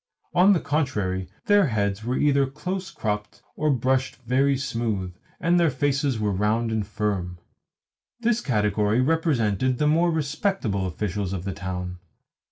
On the contrary, their heads were either close cropped or brushed very smooth, and their faces were round and firm. This category represented the more respectable officials of the town.